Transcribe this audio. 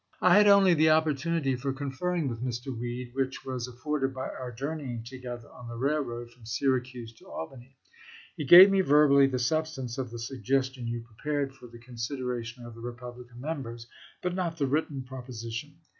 I had only the opportunity for conferring with Mr. Weed which was afforded by our journeying together on the railroad from Syracuse to Albany. He gave me verbally the substance of the suggestion you prepared for the consideration of the Republican Members, but not the written proposition.